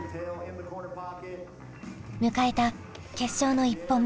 迎えた決勝の１本目。